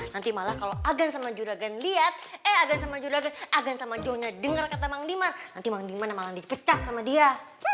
nanti malah kalau agan sama juragan lihat eh agan sama juragan agan sama nyonya dengar kata mang diman nanti mang diman malah dipecat sama dia